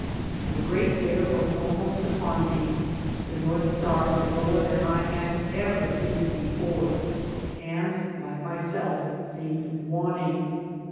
The great bear was almost iqpon me, the north star was lower than I had ever seen it before, and, like myself, seemed waning.